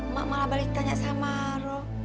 mak malah balik tanya sama roh